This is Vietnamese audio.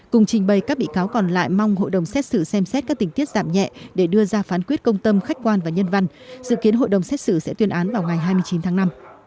cùng trình bày các bị cáo còn lại mong hội đồng xét xử xem xét các tình tiết giảm nhẹ để đưa ra phán quyết công tâm khách quan và nhân văn dự kiến hội đồng xét xử sẽ tuyên án vào ngày hai mươi chín tháng năm